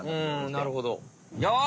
なるほど。